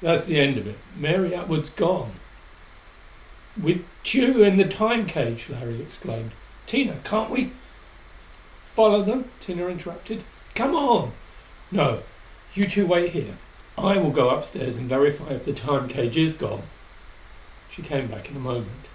"That's the end of it. Mary Atwood's gone " "With Tugh in the Time cage!" Larry exclaimed. "Tina, can't we " "Follow them?" Tina interrupted. "Come on! No you two wait here. I will go upstairs and verify if the Time cage is gone." She came back in a moment.